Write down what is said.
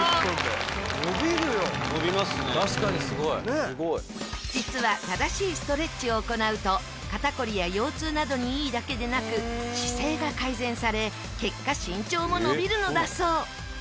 なんと実は正しいストレッチを行うと肩こりや腰痛などにいいだけでなく姿勢が改善され結果身長も伸びるのだそう。